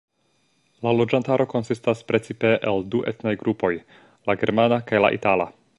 La loĝantaro konsistas precipe el du etnaj grupoj, la germana kaj la itala.